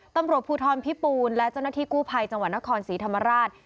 ตำรวจภูทรพิปูนและเจ้าหน้าที่กู้ภัยจังหวัดนครศรีธรรมราช